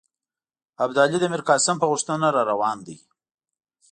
ابدالي د میرقاسم په غوښتنه را روان دی.